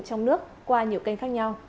trong nước qua nhiều kênh khác nhau